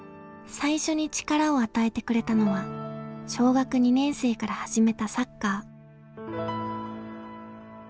最初に力を与えてくれたのは小学２年生から始めたサッカー。